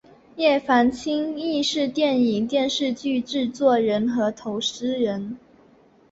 叶茂菁亦是电影电视剧制片人和投资人。